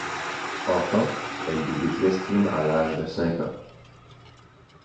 Enfant, elle débute l'escrime à l'âge de cinq ans.